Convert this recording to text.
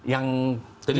dan yang sekarang